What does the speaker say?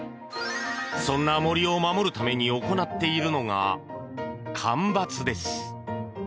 そんな森を守るために行っているのが間伐です。